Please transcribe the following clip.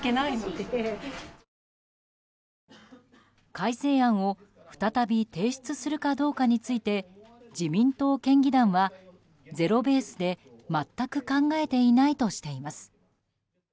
改正案を再び提出するかどうかについて自民党県議団は、ゼロベースで全く考えていないとしています。